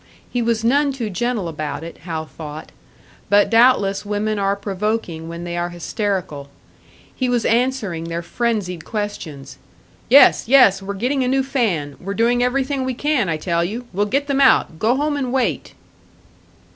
He was none too gentle about it, Hal thought; but doubtless women are provoking when they are hysterical. He was answering their frenzied questions, "Yes, yes! We're getting a new fan. We're doing everything we can, I tell you. We'll get them out. Go home and wait."